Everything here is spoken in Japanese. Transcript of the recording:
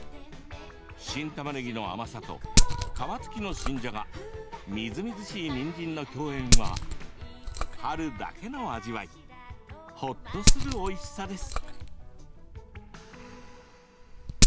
新たまねぎの甘さと皮付きの新じゃがみずみずしい、にんじんの共演は春だけの味わいほっとするおいしさです。